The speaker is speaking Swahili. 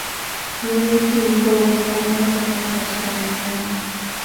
ya milki ilikuwa Uislamu hata kama katika maeneo